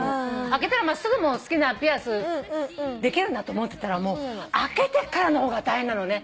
開けたらすぐ好きなピアスできるんだと思ってたら開けてからの方が大変なのね。